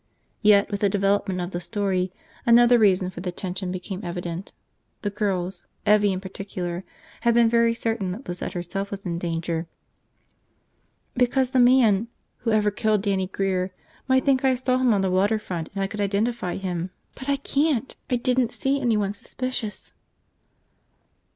Yet, with the development of the story, another reason for the tension became evident: the girls, Evvie in particular, had been very certain that Lizette herself was in danger. "Because the man – whoever killed Dannie Grear – might think I saw him on the water front and I could identify him. But I can't! I didn't see anyone suspicious!"